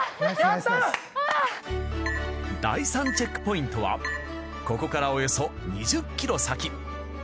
第３チェックポイントはここからおよそ２０ｋｍ先。